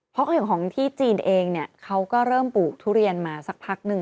เพราะอย่างของที่จีนเองเนี่ยเขาก็เริ่มปลูกทุเรียนมาสักพักหนึ่ง